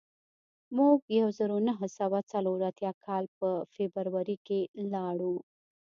موږ د یو زرو نهه سوه څلور اتیا کال په فبروري کې لاړو